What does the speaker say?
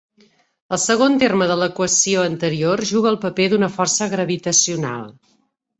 El segon terme de l'equació anterior juga el paper d'una força gravitacional.